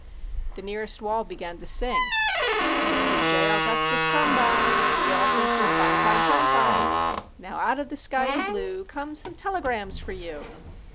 The nearest wall began to sing: Mister J. Augustus Krumbine, We all think you're fine, fine, fine, fine. Now out of the skyey blue Come some telegrams for you.